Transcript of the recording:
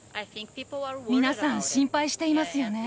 皆さん、心配していますよね。